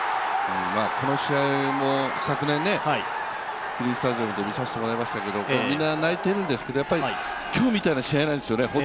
この試合も昨年、Ｐスタジオで見させてもらいましたがみんな泣いてるんですけど今日みたいな試合なんですよね。